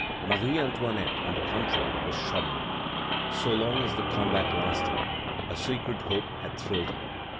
Marie Antoinette, on the contrary, was shuddering. So long as the combat lasted, a secret hope had thrilled her.